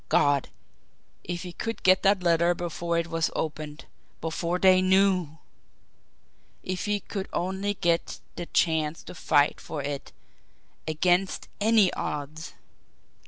God, if he could get that letter before it was opened before they KNEW! If he could only get the chance to fight for it against ANY odds! Life!